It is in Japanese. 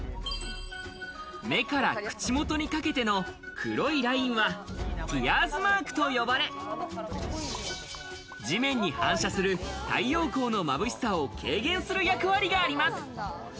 目から口元にかけての黒いラインはティアーズマークと呼ばれ、地面に反射する太陽光のまぶしさを軽減する役割があります。